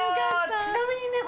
ちなみにね